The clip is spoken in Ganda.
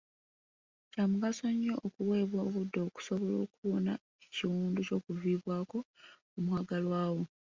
Kya mugaso nnyo okwewa obudde okusobola okuwona ekiwundu ky'okuviibwako omwagalwa wo.